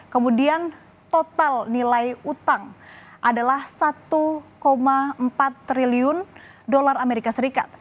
kemudian total nilai utang adalah satu empat triliun dolar amerika serikat